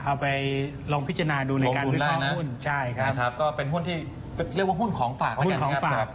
เอาไปลองพิจารณาดูในการคุยของหุ้นใช่ครับก็เป็นหุ้นที่เรียกว่าหุ้นของฝากแล้วกันนะครับ